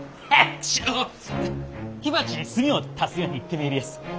火鉢に炭を足すように言ってめえりやす。